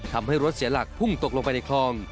ทำให้รถเสียหลักพุ่งตกลงไปในคลอง